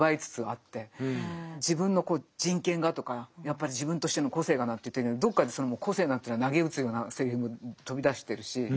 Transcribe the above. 自分の人権がとかやっぱり自分としての個性がなんて言ってるけどどっかでその個性なんていうのはなげうつようなセリフも飛び出してるし。